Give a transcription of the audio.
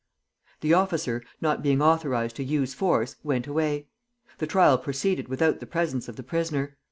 The officer, not being authorized to use force, went away. The trial proceeded without the presence of the prisoner.